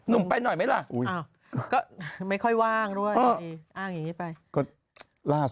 นุ่มไปหน่วยไหมละ